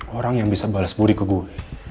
orang yang bisa balas budi ke gue